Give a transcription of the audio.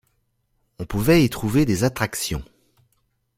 On pouvait y trouver des attractions.